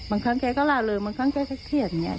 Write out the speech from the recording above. มันค้างแค้นก็ลาเลยมันค้างแค้นเทียด